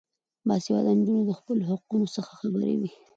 باسواده نجونې د خپلو حقونو څخه خبرې وي.